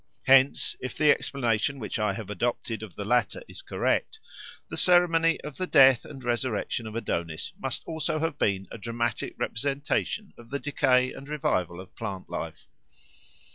Hence, if the explanation which I have adopted of the latter is correct, the ceremony of the death and resurrection of Adonis must also have been a dramatic representation of the decay and revival of plant life.